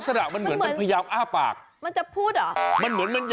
ถ้ามันจะทำปากจูงเล็กหน่อย